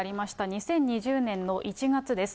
２０２０年の１月です。